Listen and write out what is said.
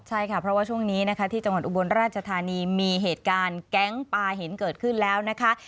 ใช่ค่ะเพราะว่าช่วงนี้นะคะที่จังหวัดอุบลราชธานีมีเหตุการณ์แก๊งปลาหินเกิดขึ้นแล้วนะคะ